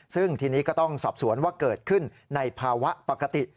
ซึ่งทีนี้ก็ต้องสอบสวนว่าเกิดขึ้นในภาวะปกติ